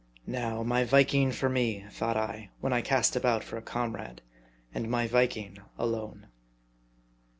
Now my Viking for me, thought I, when I cast about for a comrade ; and my Viking alone.